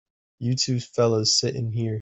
You two fellas sit in here.